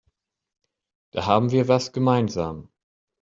Da haben wir was gemeinsam.